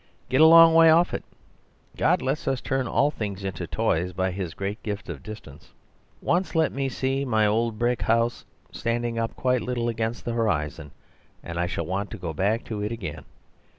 Get a long way off it: God lets us turn all things into toys by his great gift of distance. Once let me see my old brick house standing up quite little against the horizon, and I shall want to go back to it again.